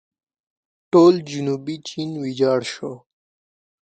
ټول جنوبي چین ویجاړ شو.